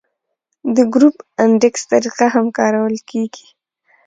د ګروپ انډیکس طریقه هم کارول کیږي